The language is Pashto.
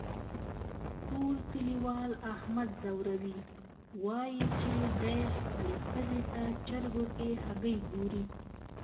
ټول کلیوال احمد ځوروي، وایي چې دی خپلې ښځې ته چرگو کې هگۍ گوري.